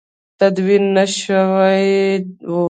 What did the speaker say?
تدوین نه شوي وو.